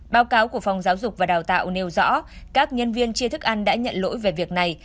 báo cáo của phòng giáo dục và đào tạo nêu rõ các nhân viên chia thức ăn đã nhận lỗi về việc này